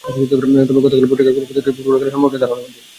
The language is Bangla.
তবে পত্রিকায় খেলার পাতা থেকে দেশের ফুটবল খেলা সম্পর্কে ধারণা নিই।